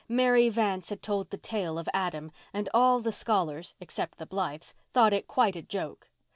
Mary Vance had told the tale of Adam, and all the scholars, except the Blythes, thought it quite a joke.